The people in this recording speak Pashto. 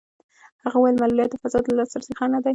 هغې وویل معلولیت د فضا د لاسرسي خنډ نه دی.